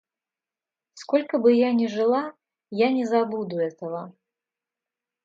Сколько бы я ни жила, я не забуду этого.